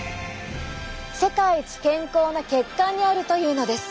世界一健康な血管にあるというのです。